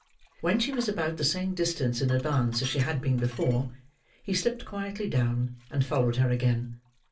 When she was about the same distance in advance as she had been before, he slipped quietly down, and followed her again.